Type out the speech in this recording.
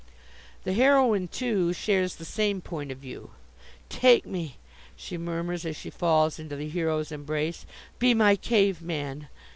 The heroine, too, shares the same point of view. "Take me," she murmurs as she falls into the hero's embrace, "be my cave man."